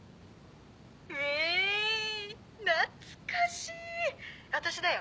懐かしい私だよ